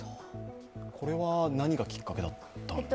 これは何がきっかけだったんですか？